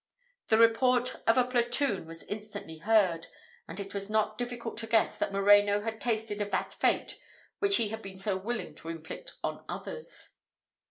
The report of a platoon was instantly heard; and it was not difficult to guess that Moreno had tasted of that fate which he had been so willing to inflict on others.